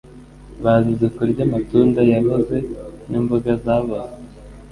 bazize kurya amatunda yaboze n’imboga zaboze